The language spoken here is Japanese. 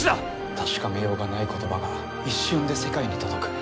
確かめようのない言葉が、一瞬で世界に届く。